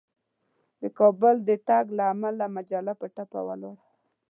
د کابل د تګ له امله مجله په ټپه ولاړه وه.